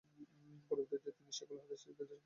পরবর্তীতে তিনি শায়খুল হাদিস হিসেবে পদোন্নতি পান।